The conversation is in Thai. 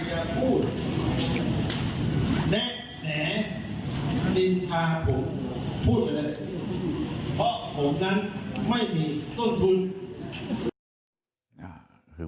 เพราะผมนั้นไม่มีต้นทุน